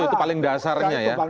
itu paling dasarnya ya